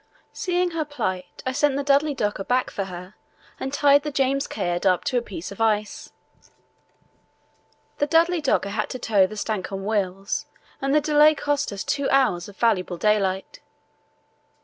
Seeing her plight, I sent the Dudley Docker back for her and tied the James Caird up to a piece of ice. The Dudley Docker had to tow the Stancomb Wills, and the delay cost us two hours of valuable daylight.